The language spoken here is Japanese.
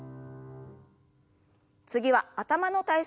次は頭の体操です。